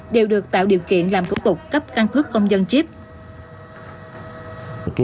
đều được tạo điều kiện làm thủ tục cấp căn cước công dân chip